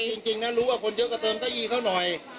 คือจริงนะรู้ว่าคนเยอะกว่าเติมก็ซักน้อย